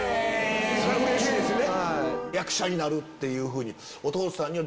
それうれしいですよね。